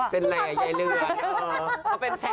ตอนหลังแพทย์ขึ้นก่อนอ่ะ